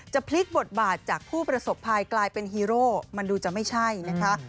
พลิกบทบาทจากผู้ประสบภัยกลายเป็นฮีโร่มันดูจะไม่ใช่นะคะ